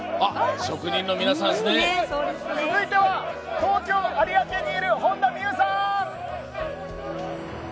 続いては、東京・有明にいる本田望結さん！